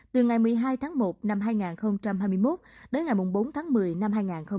từ ngày một mươi hai tháng một năm hai nghìn hai mươi một đến ngày bốn tháng một mươi năm hai nghìn hai mươi ba